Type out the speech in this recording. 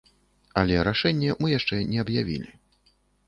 Але рашэнне мы яшчэ не аб'явілі.